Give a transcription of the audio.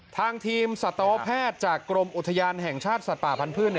ทางทีมสัตวแพทย์จากกรมอุทยานแห่งชาติสัตว์ป่าพันธ์พืช